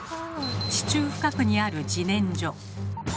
地中深くにある自然薯。